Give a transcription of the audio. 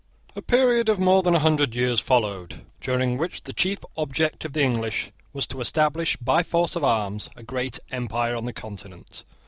A period of more than a hundred years followed, during which the chief object of the English was to establish, by force of arms, a great empire on the Continent.